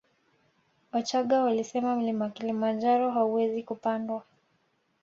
Wachagga walisema mlima kilimanjaro hauwezi kupandwa